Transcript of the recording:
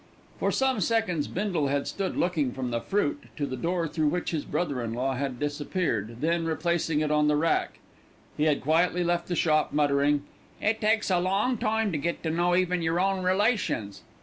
For some seconds Bindle had stood looking from the fruit to the door through which his brother in law had disappeared, then, replacing it on the rack, he had quietly left the shop, muttering: "It takes a long time to get to know even yer own relations.